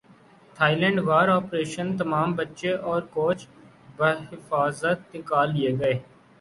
Thai land غار operation تمام بچے اور کوچ بحفاظت نکال لئے گئے